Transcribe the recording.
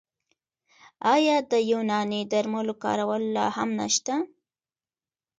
آیا د یوناني درملو کارول لا هم نشته؟